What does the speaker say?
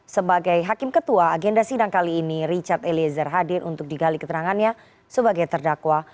sebagai hakim ketua agenda sidang kali ini richard eliezer hadir untuk digali keterangannya sebagai terdakwa